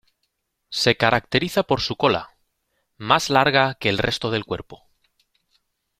Se caracteriza por su cola, más larga que el resto del cuerpo.